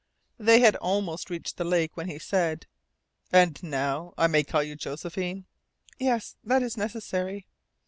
They had almost reached the lake when he said: "And now, I may call you Josephine?" "Yes, that is necessary."